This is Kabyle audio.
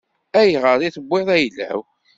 Ayɣer i tewwiḍ ayla-w?